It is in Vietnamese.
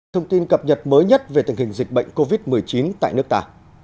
thông tin cập nhật mới nhất về tình hình dịch bệnh covid một mươi chín tại nước ta